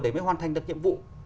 để mới hoàn thành được nhiệm vụ